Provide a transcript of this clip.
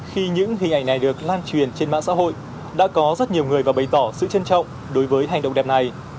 khi những hình ảnh này được lan truyền trên mạng xã hội đã có rất nhiều người và bày tỏ sự trân trọng đối với hành động đẹp này